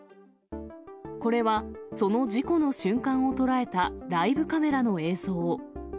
これは、その事故の瞬間を捉えたライブカメラの映像。